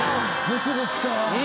僕ですか。